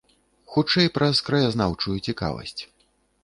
Хутчэй праз краязнаўчую цікавасць.